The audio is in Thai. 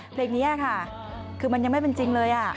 เพลงนี้ค่ะคือมันยังไม่เป็นจริงเลย